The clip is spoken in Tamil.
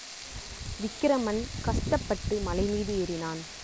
விக்கிரமன் கஷ்டப்பட்டு மலைமீது ஏறினான்.